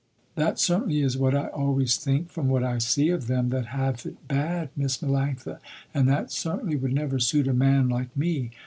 That certainly is what I always think from what I see of them that have it bad Miss Melanctha, and that certainly would never suit a man like me.